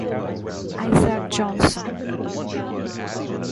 Isaac Johnson.